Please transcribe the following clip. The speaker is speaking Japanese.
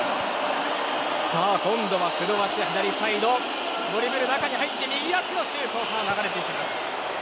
今度はクロアチアドリブル、中に入って右足のシュートは流れました。